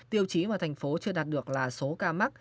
tiêu chí mà thành phố chưa đạt được là số ca mắc